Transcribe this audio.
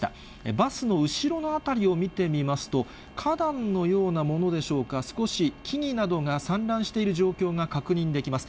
バスの後ろの辺りを見てみますと、花壇のようなものでしょうか、少し木々などが散乱している状況が確認できます。